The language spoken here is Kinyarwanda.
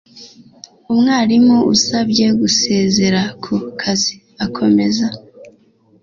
umwarimu usabye gusezera ku kazi akomeza